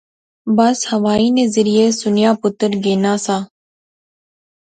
بس ہوائی نے ذریعے سنیاہ پترا گینا سا